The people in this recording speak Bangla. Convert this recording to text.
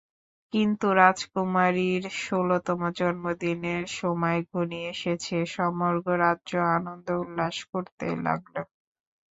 কিন্তু রাজকুমারীর ষোলতম জন্মদিনের সময় ঘনিয়ে এসেছে, সমগ্র রাজ্য আনন্দ উল্লাস করতে লাগল।